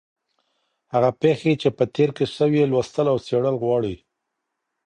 هغه پېښې چي په تېر کي سوې، لوستل او څېړل غواړي.